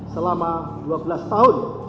selama dua belas tahun